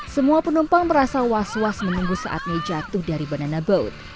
semua penumpang merasa was was menunggu saatnya jatuh dari banana boat